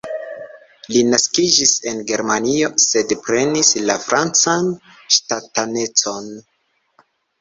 Li naskiĝis en Germanio, sed prenis la francan ŝtatanecon.